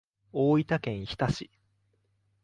大分県日田市